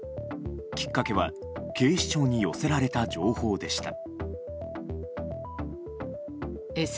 きっかけは警視庁に寄せられた情報でした。